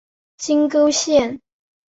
金沟线